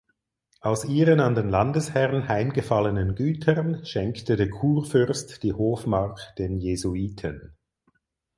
Aus ihren an den Landesherrn heimgefallenen Gütern schenkte der Kurfürst die Hofmark den Jesuiten.